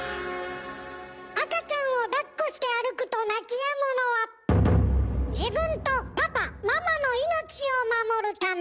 赤ちゃんをだっこして歩くと泣きやむのは自分とパパ・ママの命を守るため。